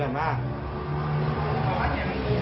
โด้งวังปั่น